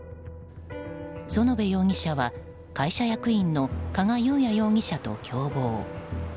園部容疑者は、会社役員の加賀裕也容疑者と共謀。